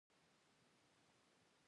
که دوی غواړي دین یې صحیح سلامت راووځي.